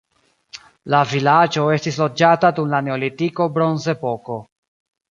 La vilaĝo estis loĝata dum la neolitiko bronzepoko.